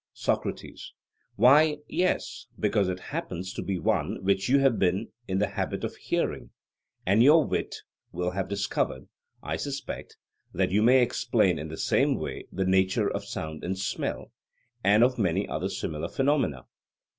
SOCRATES: Why, yes, because it happens to be one which you have been in the habit of hearing: and your wit will have discovered, I suspect, that you may explain in the same way the nature of sound and smell, and of many other similar phenomena.